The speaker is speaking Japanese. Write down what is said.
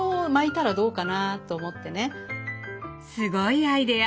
すごいアイデア！